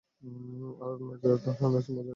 আর তার নাচের মজা নিচ্ছে।